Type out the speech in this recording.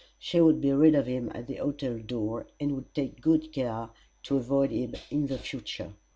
She would be rid of him at the hotel door, and would take good care to avoid him in the future.